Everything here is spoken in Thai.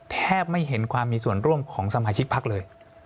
แทบไม่เห็นความมีส่วนร่วมของสมาชิกพักเลย